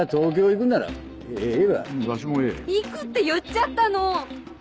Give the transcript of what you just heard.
行くって言っちゃったの！